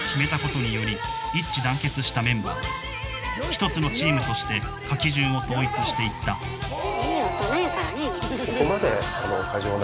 一つのチームとして書き順を統一していったいい大人やからねみんな。